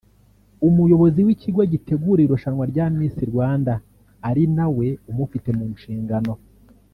umuyobozi w’ikigo gitegura irushanwa rya Miss Rwanda ari na we umufite mu nshingano